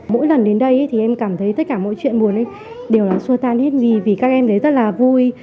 mỗi lần đến đây thì em cảm thấy tất cả mọi chuyện buồn ấy đều là xua tan hết gì vì các em thấy rất là vui